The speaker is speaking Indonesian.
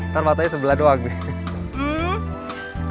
ntar matanya sebelah doang nih